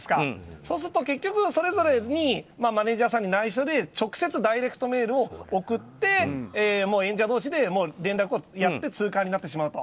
そうすると、結局それぞれにマネジャーさんに内緒で直接、ダイレクトメールを送って演者同士で、連絡してツーカーになってしまうと。